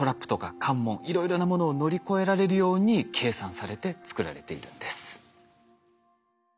いろいろなものを乗り越えられるように計算されて作られているんです。